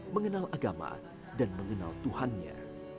mengenal agama dan mengenal tuhannya